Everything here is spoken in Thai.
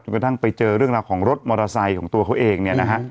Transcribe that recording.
กระทั่งไปเจอเรื่องราวของรถมอเตอร์ไซค์ของตัวเขาเองเนี่ยนะฮะ